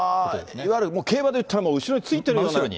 いわゆる競馬でいったら後ろについてるような。